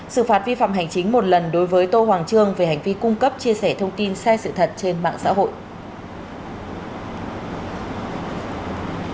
sự phạt vi phạm hành chính một lần đối với tô hoàng trương về hành vi cung cấp chia sẻ thông tin sai sự thật trên mạng xã hội